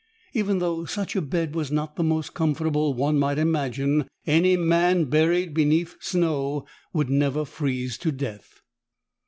Even though such a bed was not the most comfortable one might imagine, any man buried beneath snow would never freeze to death.